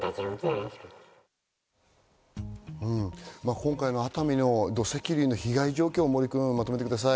今回の熱海の土石流の被害状況、まとめてください。